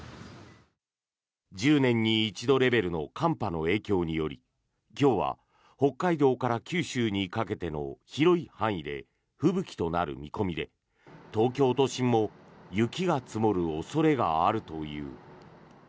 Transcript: １０年に一度レベルの寒波の影響により今日は北海道から九州にかけての広い範囲で吹雪となる見込みで東京都心も雪が積もる恐れがあるという。